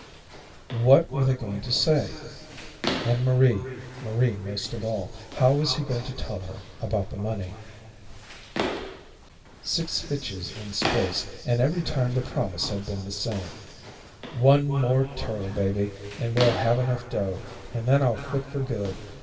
What were they going to say? And Marie, Marie most of all. How was he going to tell her about the money? Six hitches in space, and every time the promise had been the same: _One more tour, baby, and we'll have enough dough, and then I'll quit for good.